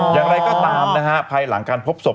อย่างไรก็ตามภายหลังการพบสบ